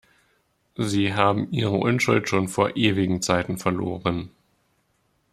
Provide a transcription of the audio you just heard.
Sie haben ihre Unschuld schon vor ewigen Zeiten verloren.